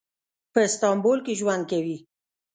په استانبول کې ژوند کوي.